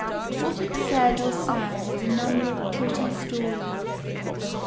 What it said or sang was a number of pretty stories.